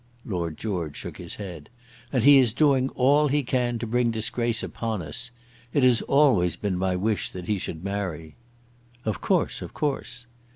Lord George shook his head. "And he is doing all he can to bring disgrace upon us. It has always been my wish that he should marry." "Of course, of course."